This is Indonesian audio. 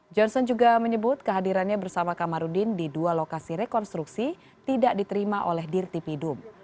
johnson juga menyebut kehadirannya bersama kamarudin di dua lokasi rekonstruksi tidak diterima oleh dirtipidum